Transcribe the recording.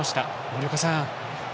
森岡さん。